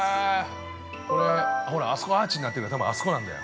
◆あそこ、アーチになってるから多分、あそこなんだよ。